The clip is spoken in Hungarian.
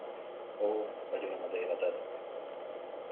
Ó, hogy unom az életet!